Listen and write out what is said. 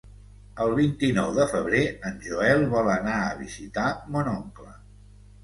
El vint-i-nou de febrer en Joel vol anar a visitar mon oncle.